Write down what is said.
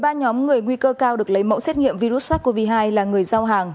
ba nhóm người nguy cơ cao được lấy mẫu xét nghiệm virus sars cov hai là người giao hàng